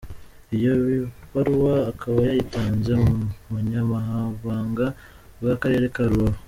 Iyi baruwa akaba yayitanze mu bunyamabanga bw’Akarere ka Rubavu.